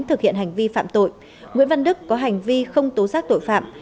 thực hiện hành vi phạm tội nguyễn văn đức có hành vi không tố xác tội phạm